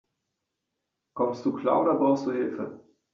Kommst du klar, oder brauchst du Hilfe?